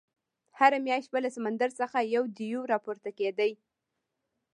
هره میاشت به له سمندر څخه یو دېو راپورته کېدی.